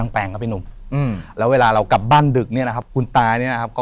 ป๕ป๔ประมาณเนี่ยครับ